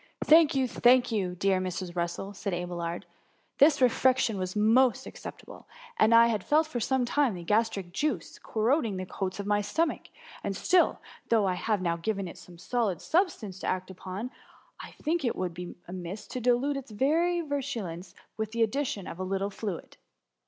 ^^ Thank you, thank you ! dear Mrs. Russell,^ said Abelard ;^^ this refection was most ac» ceptable. I had felt for some time the gastric juice corroding the coats of my stomach ; and atill, though I have now given it some solid substance to act upon, I think it would not be amiss to dilute its virulence by the addition of a little fluid.